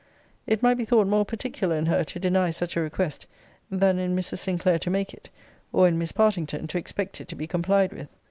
It might be thought more particular in her to deny such a request, than in Mrs. Sinclair to make it, or in Miss Partington to expect it to be complied with.